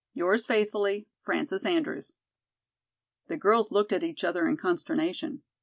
"'Yours faithfully, "'FRANCES ANDREWS.'" The girls looked at each other in consternation.